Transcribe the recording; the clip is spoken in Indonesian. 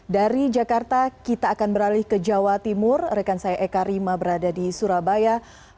dari jakarta kita akan beralih ke jawa timur rekan saya eka rima berada di surabaya